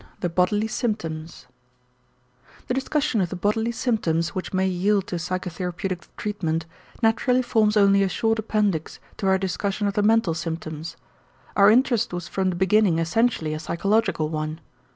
XI THE BODILY SYMPTOMS The discussion of the bodily symptoms which may yield to psychotherapeutic treatment, naturally forms only a short appendix to our discussion of the mental symptoms. Our interest was from the beginning essentially a psychological one.